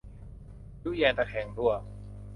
ยุแยงตะแคงรั่ว